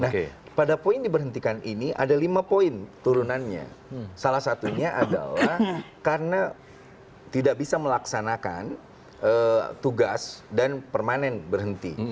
nah pada poin diberhentikan ini ada lima poin turunannya salah satunya adalah karena tidak bisa melaksanakan tugas dan permanen berhenti